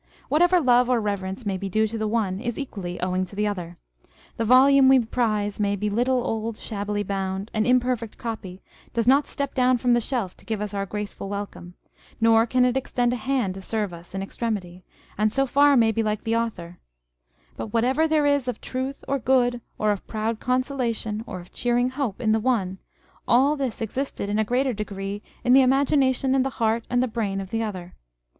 Whatever love or reverence may be due to the one, is equally owing to the other. The volume we prize may be little, old, shabbily bound, an imperfect copy, does not step down from the shelf to give us a graceful welcome, nor can it extend a hand to serve us in extremity, and so far may be like the author : but what ever there is of truth or good or of proud consolation or of cheering hope in the one, all this existed in a greater degree in the imagination and the heart and brain of the other.